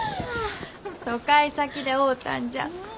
疎開先で会うたんじゃ。